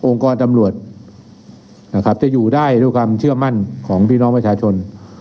กรตำรวจนะครับจะอยู่ได้ด้วยความเชื่อมั่นของพี่น้องประชาชน